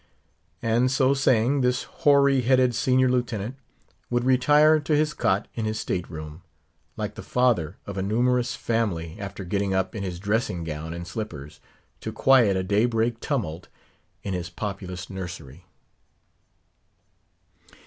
And so saying, this hoary headed Senior Lieutenant would retire to his cot in his state room, like the father of a numerous family after getting up in his dressing gown and slippers, to quiet a daybreak tumult in his populous nursery.